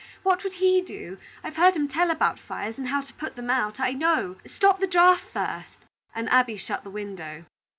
What would he do? I've heard him tell about fires, and how to put them out; I know, stop the draught first," and Abby shut the window.